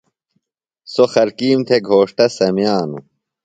سوۡ خلکیم تھےۡ گھوݜٹہ سمِیانوۡ۔